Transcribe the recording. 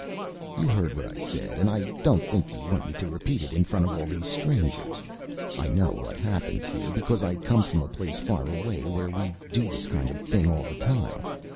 "You heard what I said and I don't think you want me to repeat it in front of all these strangers. I know what happens here because I come from a place far away where we do this kind of thing all the time.